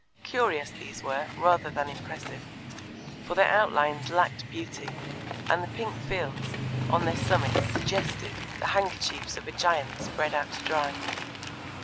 Curious these were, rather than impressive, for their outlines lacked beauty, and the pink fields on their summits suggested the handkerchiefs of a giant spread out to dry.